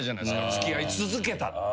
付き合い続けたら。